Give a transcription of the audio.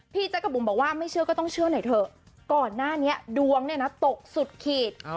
แจ๊กกะบุ๋มบอกว่าไม่เชื่อก็ต้องเชื่อหน่อยเถอะก่อนหน้านี้ดวงเนี่ยนะตกสุดขีด